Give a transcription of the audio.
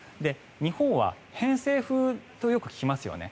日本は偏西風というのをよく聞きますよね。